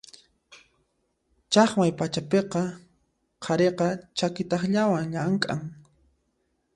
Chaqmay pachapiqa qhariqa chaki takllawan llamk'an.